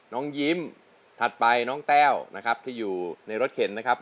น้องยิ้มถัดไปน้องแต้วนะครับที่อยู่ในรถเข็นนะครับ